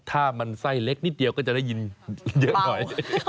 ถ้ามันไส้เล็กนิดเดียวก็จะได้ยินเยอะหน่อย